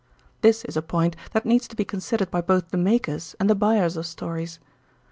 This is a point that needs to be considered by both the makers and the buyers of stories.